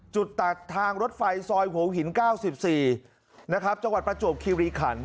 จุดตัดทางรถไฟซอยโผกหินเก้าสิบสี่นะครับจังหวัดประจวบคีรีขันท์